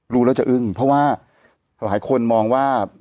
รู้แล้วจะอึ้งเพราะว่าหลายคนมองว่า